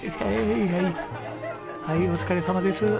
はいお疲れさまです。